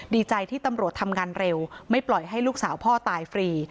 ดีใจที่ตำรวจทำงานเร็วไม่ปล่อยให้ลูกสาวพ่อตายฟรี